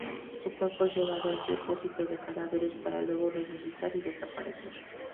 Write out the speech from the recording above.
Su cuerpo es llevado al depósito de cadáveres, para luego resucitar y desaparecer.